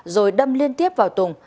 rồi đâm liên tiếp vào tùng